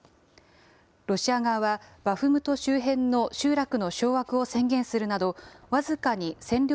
ロシア側はバフムト周辺の集落の掌握を宣言するなど、僅かに占領